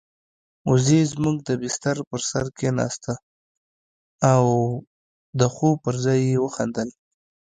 وزې زموږ د بستر پر سر کېناسته او د خوب پر ځای يې وخندل.